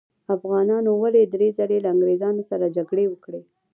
افغانانو ولې درې ځلې له انګریزانو سره جګړې وکړې؟